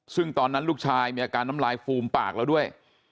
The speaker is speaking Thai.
ซึ่งตอนนั้นลูกชายมีอาการน้ำลายฟูมปากแล้วด้วย